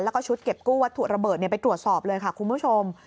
แล้วก็ชุดเก็บกู้วัตถุระเบิดไปตรวจสอบเลยค่ะคุณผู้ชม